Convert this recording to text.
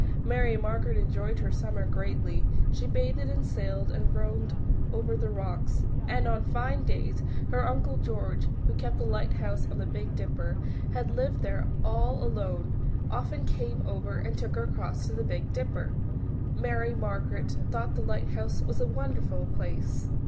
Mary Margaret enjoyed her summer greatly; she bathed and sailed and roamed over the rocks, and on fine days her Uncle George, who kept the lighthouse on the Big Dipper, and lived there all alone, often came over and took her across to the Big Dipper. Mary Margaret thought the lighthouse was a wonderful place.